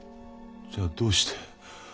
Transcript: じゃどうして？